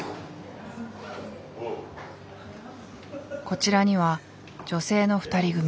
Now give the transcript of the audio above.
こちらには女性の２人組。